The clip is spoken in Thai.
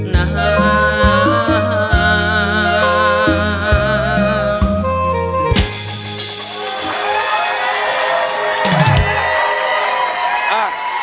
นะฮะ